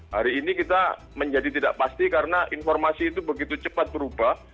hari ini kita menjadi tidak pasti karena informasi itu begitu cepat berubah